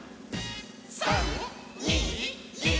３！２！１！」